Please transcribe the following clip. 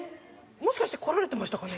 もしかして来られてましたかね。